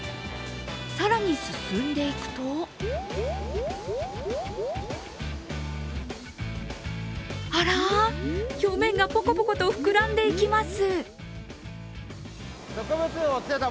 更に進んでいくとあら、表面がぽこぽこと膨らんでいきます。